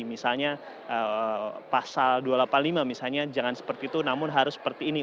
misalnya pasal dua ratus delapan puluh lima misalnya jangan seperti itu namun harus seperti ini